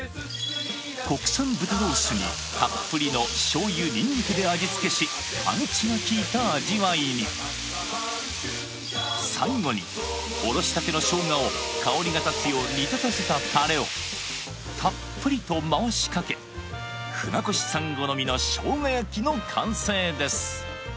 国産豚ロースにたっぷりの醤油ニンニクで味付けしパンチがきいた味わいに最後におろしたてのしょうがを香りが立つよう煮立たせたタレをたっぷりと回しかけ船越さん好みのしょうが焼きの完成です